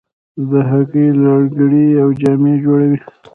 د هاکي لکړې او جامې جوړوي.